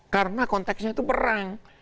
karena konteksnya itu perang